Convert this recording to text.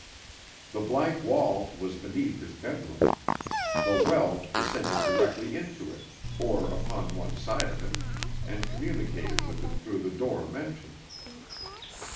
The blank wall was beneath his bedroom. The well descended directly into it, or upon one side of it, and communicated with it through the door mentioned.